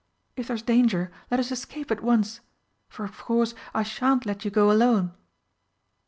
If there's danger, let us escape at once for of course I shan't let you go alone!"